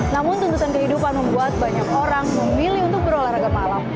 namun tuntutan kehidupan membuat banyak orang memilih untuk berolahraga malam